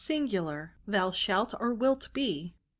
Thou shalt, or wilt, be.